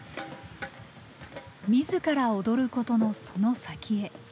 自ら踊ることのその先へ。